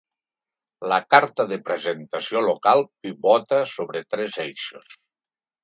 La carta de presentació local pivota sobre tres eixos.